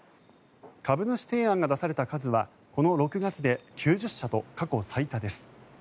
株主提案が出された数はこの６月で９０社と過去最多です。